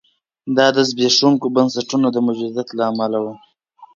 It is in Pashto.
دا د زبېښونکو بنسټونو د موجودیت له امله و.